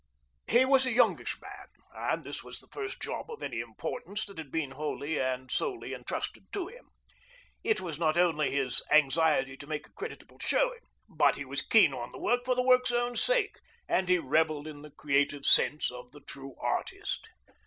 He was a youngish man, and this was the first job of any importance that had been wholly and solely entrusted to him. It was not only his anxiety to make a creditable showing, but he was keen on the work for the work's own sake, and he revelled in the creative sense of the true artist.